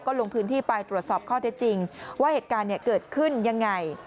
ลงพื้นที่ไปตรวจสอบข้อเท็จจริงว่าเหตุการณ์เกิดขึ้นยังไง